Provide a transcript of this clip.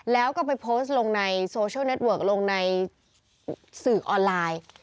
แล้วก็ไปโพสต์ลงในโซเชียลเน็ตเวิร์กลงในสื่อออนไลน์